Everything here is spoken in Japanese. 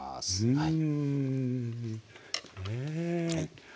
はい。